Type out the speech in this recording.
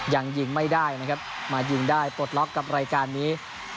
ยังยิงไม่ได้นะครับมายิงได้ปลดล็อกกับรายการนี้